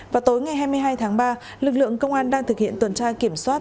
vào tối ngày hai mươi hai tháng ba lực lượng công an đang thực hiện tuần tra kiểm soát